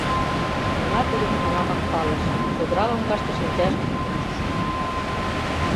Уна тудым тунамак палыш: чодыра лоҥгаште шинчажлан кончышо Натале.